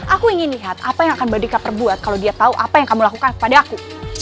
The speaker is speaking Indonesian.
aku ingin lihat apa yang akan mbak dika perbuat kalau dia tahu apa yang kamu lakukan kepada aku